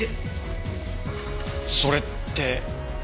それって。